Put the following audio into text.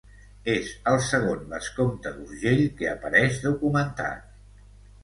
És el segon vescomte d'Urgell que apareix documentat.